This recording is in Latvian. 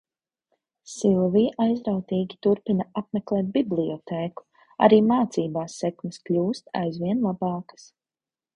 Silvija aizrautīgi turpina apmeklēt bibliotēku arī mācībās sekmes kļūst aizvien labākas.